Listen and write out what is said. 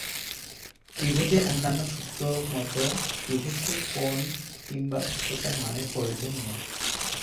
ত্রিভুজের অন্যান্য সূত্রের মত, ত্রিভুজটির কোণ কিংবা উচ্চতার মানের প্রয়োজন নেই।